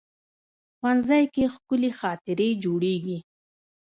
ښوونځی کې ښکلي خاطرې جوړېږي